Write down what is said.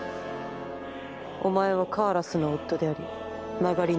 お前はカーラスの夫であり曲がりなりにも元医者だ。